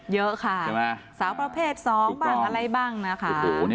เยอะค่ะสาวประเภท๒บ้างอะไรบ้างนะคะ